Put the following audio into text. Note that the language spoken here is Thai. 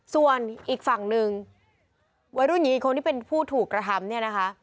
ส่วนอีกฝั่งหนึ่งวัยรุ่นหญิงอีกคนที่เป็นผู้ถูกกระทำเนี่ยนะคะ